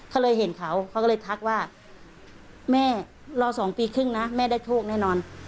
ก็เลยเห็นเขาเขาก็เลยทักว่าแม่รอ๒ปีครึ่งนะแม่ได้โชคแน่นอน